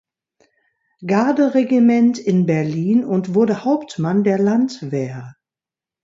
Garderegiment in Berlin und wurde Hauptmann der Landwehr.